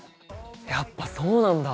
やっぱそうなんだ。